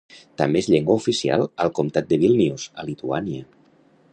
També és llengua oficial al comtat de Vílnius, a Lituània.